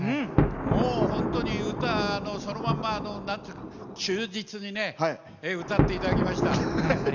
もう、本当に歌、そのまま忠実に、歌っていただきました。